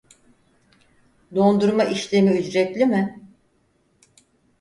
Dondurma işlemi ücretli mi